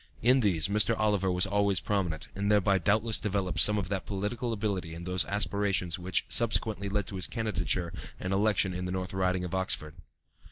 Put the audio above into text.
In these Mr. Oliver was always prominent, and thereby doubtless developed some of that political ability and those aspirations which subsequently led to his candidature and election in the North Riding of Oxford.